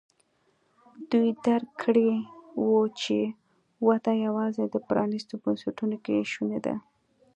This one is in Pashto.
دوی درک کړې وه چې وده یوازې د پرانیستو بنسټونو کې شونې ده.